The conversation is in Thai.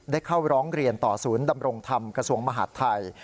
ได้เข้าร้องเรียนต่อศูนย์ดำรงธรรมกระทรวงมหาดไทย